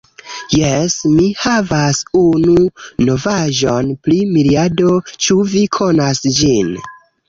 Jes, mi havas unu novaĵon pri Miriado. Ĉu vi konas ĝin?